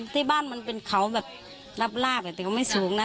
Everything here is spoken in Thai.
ที่บ้านมันเป็นเขาแบบรับลาบแต่ก็ไม่สูงนะ